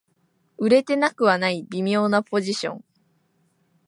売れてなくはない微妙なポジション